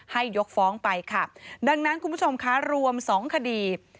ยกฟ้องไปค่ะดังนั้นคุณผู้ชมคะรวมสองคดี